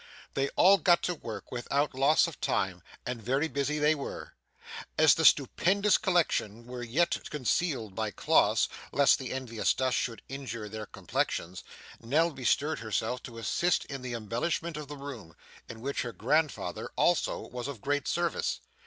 They all got to work without loss of time, and very busy they were. As the stupendous collection were yet concealed by cloths, lest the envious dust should injure their complexions, Nell bestirred herself to assist in the embellishment of the room, in which her grandfather also was of great service.